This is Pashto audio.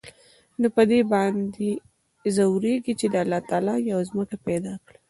نو په دې باندې ځوريږي چې د الله تعال يوه ځمکه پېدا کړى.